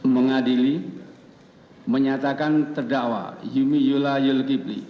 mengadili menyatakan terdakwa yumi yula yul ghibli